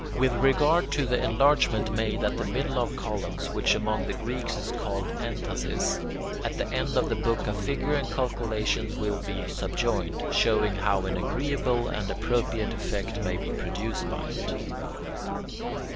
With regard to the enlargement made at the middle of columns, which among the Greeks is called [Greek: entasis], at the end of the book a figure and calculation will be subjoined, showing how an agreeable and appropriate effect may be produced by it.